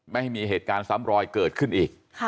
ไม่ให้มีเหตุการณ์ซ้ำรอยเกิดขึ้นอีก